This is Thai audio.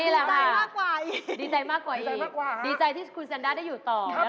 ดีใจมากกว่าดีใจมากกว่าอีกดีใจที่คุณแซนด้าได้อยู่ต่อนะคะ